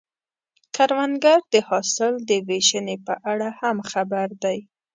کروندګر د حاصل د ویشنې په اړه هم خبر دی